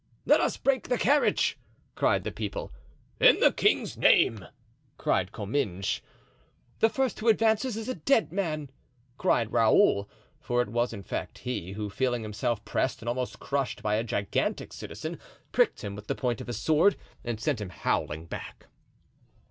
"Let us break the carriage!" cried the people. "In the king's name!" cried Comminges. "The first who advances is a dead man!" cried Raoul, for it was in fact he, who, feeling himself pressed and almost crushed by a gigantic citizen, pricked him with the point of his sword and sent him howling back.